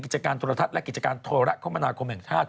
กิจการโทรทัศน์และกิจการโทรคมนาคมแห่งชาติ